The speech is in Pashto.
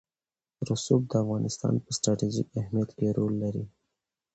رسوب د افغانستان په ستراتیژیک اهمیت کې رول لري.